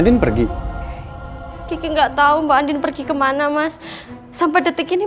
din pergi kiki nggak tahu mbak andin pergi kemana mas sampai detik ini